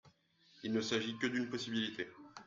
Il ne s’agit que d’une possibilité.